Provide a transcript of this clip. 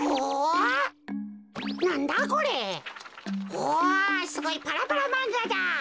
おすごいパラパラまんがだ。